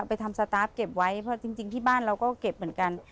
ไปทำสตาร์ฟเก็บไว้เพราะจริงที่บ้านเราก็เก็บเหมือนกัน